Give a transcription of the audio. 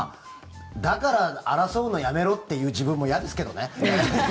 だから争うのやめろっていう自分も嫌ですけどね。